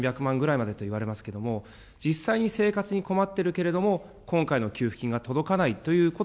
年収１００万から３００万までぐらいといわれますけれども、実際に生活に困っているけれども、今回の給付金が届かないということ